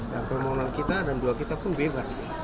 dan permohonan kita dan dua kita pun bebas